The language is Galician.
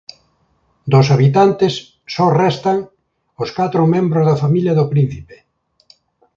Dos habitantes só restan os catro membros da familia do príncipe.